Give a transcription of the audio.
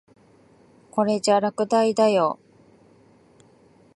これじゃ落第だよ。